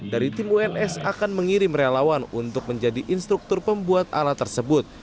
jadi merelawan untuk menjadi instruktur pembuat alat tersebut